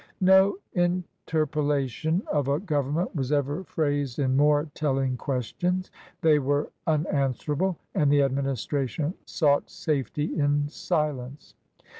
No interpellation of a government was ever phrased in more telling questions. They were unanswerable, and the administration sought safety in silence.